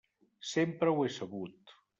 Sempre ho he sabut.